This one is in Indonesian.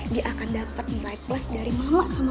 dia akan dapet nilai plus dari mama sama bapaknya roman